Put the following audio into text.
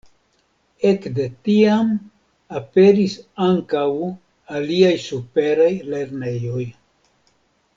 Ekde tiam aperis ankaŭ aliaj superaj lernejoj.